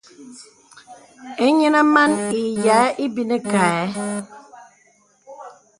Inyinə man ǐ yeaŋ ibini kaɛ.